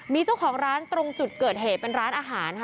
มีเจ้าของร้านตรงจุดเกิดเหตุเป็นร้านอาหารค่ะ